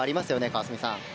川澄さん。